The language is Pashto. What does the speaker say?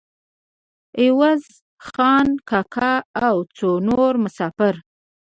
عوض خان کاکا او څو نور مسافر.